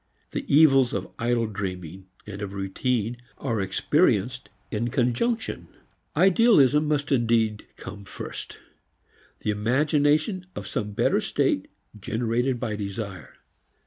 The evils of idle dreaming and of routine are experienced in conjunction. "Idealism" must indeed come first the imagination of some better state generated by desire.